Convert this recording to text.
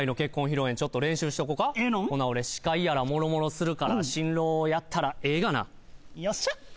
披露宴ちょっと練習しとこかほな俺司会やらもろもろするから新郎やったらええがなよっしゃ